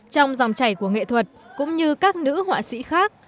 trong dòng chảy của nghệ thuật cũng như các nữ họa sĩ khác